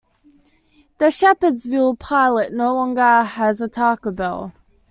The Shepherdsville Pilot no longer has a Taco Bell.